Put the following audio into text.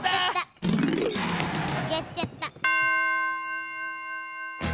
やっちゃった。